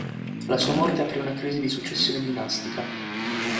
La sua morte aprì una crisi di successione dinastica.